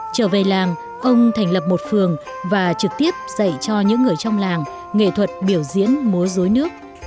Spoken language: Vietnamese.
trở về làng ông thành lập một phường và trực tiếp dạy cho những người trong làng nghệ thuật biểu diễn múa dối nước